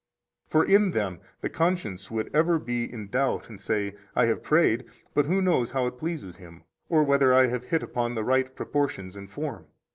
23 For in them the conscience would ever be in doubt and say: I have prayed, but who knows how it pleases Him, or whether I have hit upon the right proportions and form?